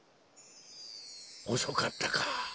おそかったか。